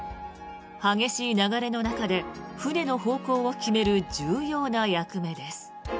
激しい流れの中で船の方向を決める重要な役目です。